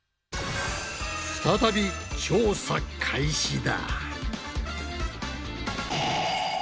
再び調査開始だ。